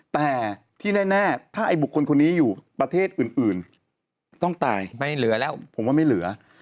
แต่ที่แน่ถ้าไอ้บุคคลคนนี้อยู่ประเทศอื่นต้องตายไม่เหลือแล้วผมว่าไม่เหลือ